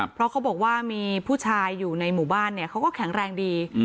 เพราะเขาบอกว่ามีผู้ชายอยู่ในหมู่บ้านเนี่ยเขาก็แข็งแรงดี